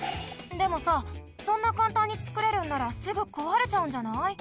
でもさそんなかんたんにつくれるんならすぐこわれちゃうんじゃない？